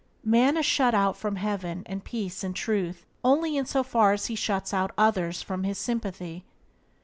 Man is shut out from Heaven and Peace and Truth only in so far as he shuts out others from his sympathy.